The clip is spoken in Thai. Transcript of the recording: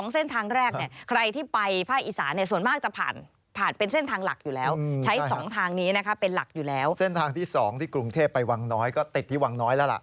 เส้นทางที่สองที่กรุงเทพไปวังน้อยก็ติดที่วังน้อยแล้วล่ะ